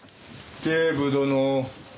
警部殿。